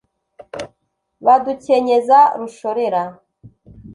Badukenyeza rushorera